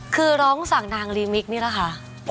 คือร้องส่างนางลีมิกนี่ล่ะครับ